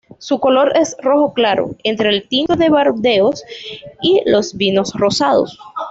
Su color es rojo claro, entre el tinto de Burdeos y los vinos rosados.